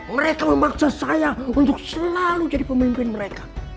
mereka memaksa saya untuk selalu jadi pemimpin mereka